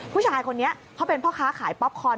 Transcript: ผู้ชายคนนี้เขาเป็นพ่อค้าขายป๊อปคอน